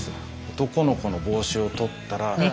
男の子の帽子を取ったら。